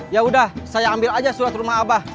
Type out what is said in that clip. ya udah saya ambil aja surat rumah abah